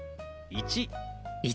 １。